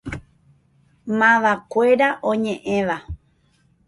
Mavakuéra oñe'ẽva.